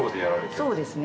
そうですね。